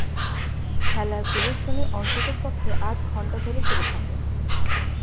খেলার প্রদর্শনী অন্ততপক্ষে আধ ঘণ্টা ধরে চলে থাকে।